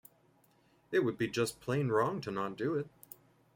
It would be just plain wrong to not do it.